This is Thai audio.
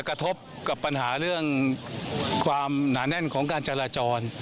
กระทบกับปัญหาเรื่องความหนาแน่นของการจราจร